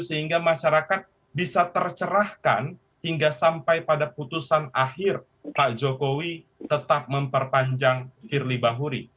sehingga masyarakat bisa tercerahkan hingga sampai pada putusan akhir pak jokowi tetap memperpanjang firly bahuri